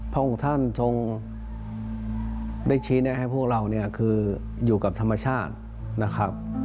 พระองค์ท่านทรงได้ชี้แนะให้พวกเราเนี่ยคืออยู่กับธรรมชาตินะครับ